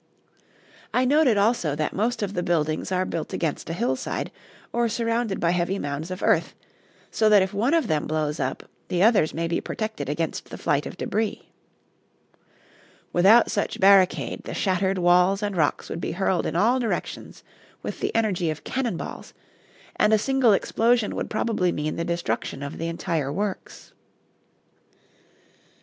I noted also that most of the buildings are built against a hillside or surrounded by heavy mounds of earth, so that if one of them blows up, the others may be protected against the flight of debris. Without such barricade the shattered walls and rocks would be hurled in all directions with the energy of cannonballs, and a single explosion would probably mean the destruction of the entire works.